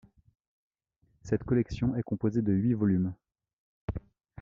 Cette collection est composée de huit volumes.